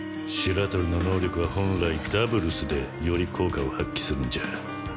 白鳥の能力は本来ダブルスでより効果を発揮するんじゃ。